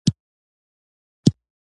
چوکۍ د انسان ارام ته جوړېږي